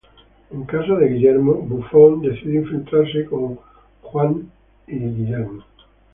En casa de Giles, Buffy decide infiltrarse con Xander y Willow.